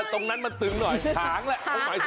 ตรงนั้นมันตึงหน่อยถางแหละ